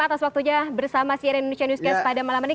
atas waktunya bersama si rni newscast pada malam hari ini